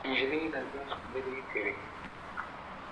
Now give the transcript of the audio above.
نجلۍ له زړه خبرې کوي.